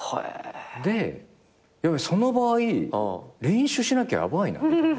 でその場合練習しなきゃヤバいなみたいな。